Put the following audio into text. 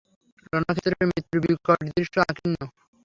রণক্ষেত্র মৃত্যুর বিকট দৃশ্যে আকীর্ণ।